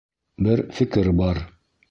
Бер фекер бар.